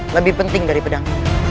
lebih penting dari pedang